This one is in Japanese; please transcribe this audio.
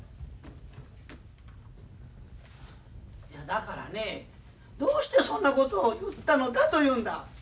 ・だからねどうしてそんなことを言ったのだというんだ。